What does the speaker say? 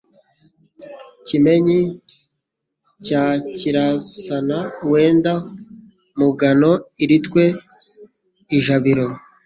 Kimenyi cya Kirasana Wenda Mugano iritwe ijabiro.